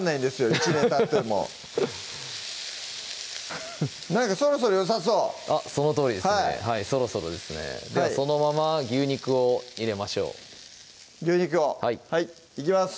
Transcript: １年たってもなんかそろそろよさそうそのとおりですねそろそろですねではそのまま牛肉を入れましょう牛肉をいきます